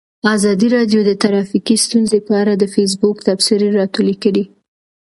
ازادي راډیو د ټرافیکي ستونزې په اړه د فیسبوک تبصرې راټولې کړي.